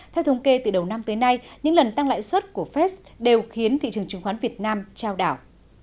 theo thống kê từ đầu năm tới nay những lần tăng lãi suất của fed đều khiến thị trường chứng khoán việt nam trao đảo